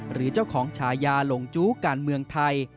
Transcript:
หรือเจ้าของฉายาหลงจู้การเมืองไทย